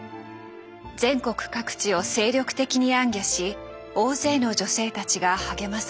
全国各地を精力的に行脚し大勢の女性たちが励まされました。